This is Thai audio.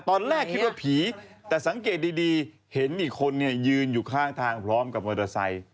ตอนแรกคิดว่าผีแต่สังเกตดีเห็นอีกคนเนี่ยยืนอยู่ข้างทางพร้อมกับมอเตอร์ไซค์